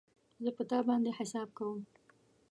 زه په تا باندی حساب کوم